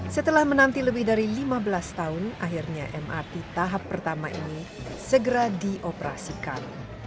setelah menanti lebih dari lima belas tahun akhirnya mrt tahap pertama ini segera dioperasikan